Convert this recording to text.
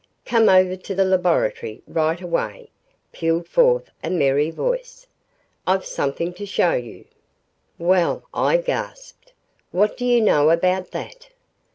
"Come over to the laboratory, right away," pealed forth a merry voice. "I've something to show you." "Well," I gasped, "what do you know about that?"